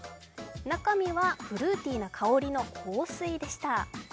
中身はフルーティーな香りの香水でした。